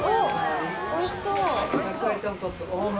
おいしそう！